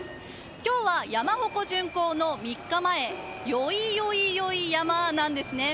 今日は山鉾巡行の３日前、宵々々山なんですね。